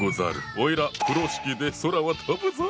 おいら風呂敷で空を飛ぶぞ！